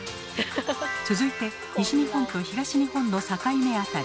続いて西日本と東日本の境目辺り